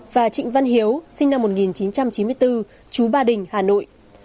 và trịnh văn hiếu sinh năm một nghìn chín trăm chín mươi bốn chú ba đình hà nội